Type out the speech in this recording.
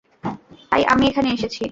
তাই আমি এখানে এসেছি।